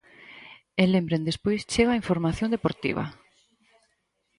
E lembren despois chega a información deportiva.